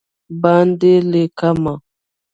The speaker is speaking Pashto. باندې لېکمه